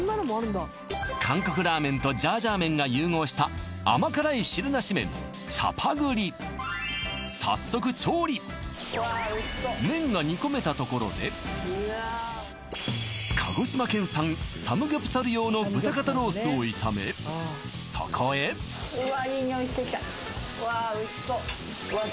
韓国ラーメンとジャージャー麺が融合した甘辛い汁なし麺チャパグリ麺が煮込めたところで鹿児島県産サムギョプサル用の豚肩ロースを炒めそこへうわおいしそううわっ